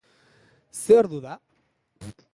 Ze ordu da?